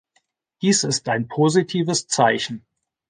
Dies ist ein positives Zeichen.